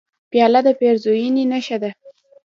پیاله د پیرزوینې نښه ده.